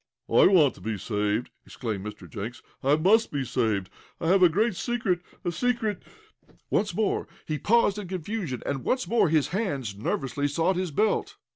"I want to be saved!" exclaimed Mr. Jenks. "I must be saved! I have a great secret a secret " Once more he paused in confusion, and once more his hands nervously sought his belt.